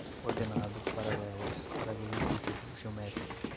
ordenado, paralelas, paralelepípedo, geométrico